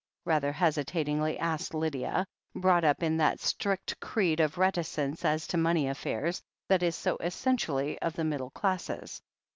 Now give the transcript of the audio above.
rather hesitatingly asked Lydia, brought up in that strict creed of reticence, as to money affairs, that is so essentially of the middle classes.